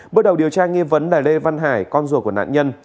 bước đầu điều tra nghi vấn là lê văn hải con rùa của nạn nhân